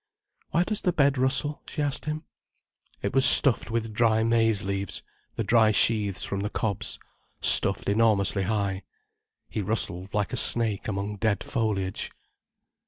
"Why does the bed rustle?" she asked him. It was stuffed with dry maize leaves, the dry sheathes from the cobs—stuffed enormously high. He rustled like a snake among dead foliage.